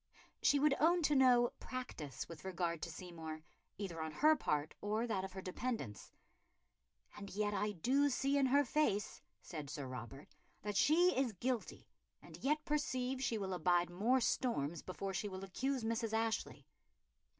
She would own to no "practice" with regard to Seymour, either on her part or that of her dependants. "And yet I do see in her face," said Sir Robert, "that she is guilty, and yet perceive she will abide more storms before she will accuse Mrs. Ashley."